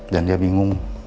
dan dia bingung